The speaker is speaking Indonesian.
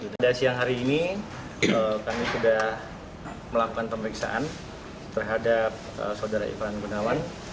pada siang hari ini kami sudah melakukan pemeriksaan terhadap saudara ivan gunawan